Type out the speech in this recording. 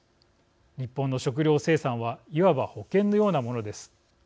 日本の食料生産はいわば保険のようなものです。